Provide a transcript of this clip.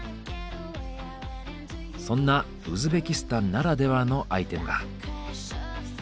そんなウズベキスタンならではのアイテムが。